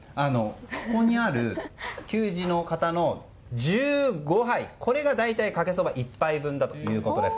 ここにある給仕の方の１５杯、これが大体かけそば１杯分だということです。